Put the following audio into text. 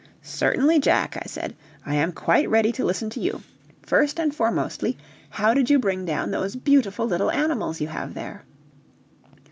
"Certainly, Jack," I said, "I am quite ready to listen to you. First and foremostly, how did you bring down those beautiful little animals you have there?"